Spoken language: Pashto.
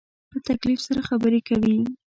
په تکلف سره خبرې کوې